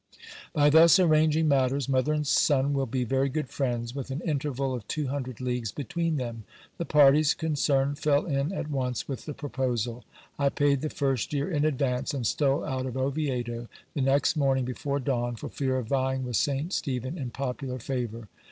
By thus arranging matters, mother and son will be very good friends, with an interval of two hundred leagues between them. The parties concerned fell in at once with the proposal : I paid the first year in advance, and stole out of Oviedo the next morning before dawn, for fear of vying with Saint Stephen in popular favour.